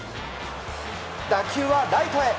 打球はライトへ。